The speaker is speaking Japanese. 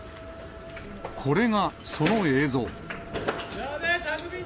これがその映像。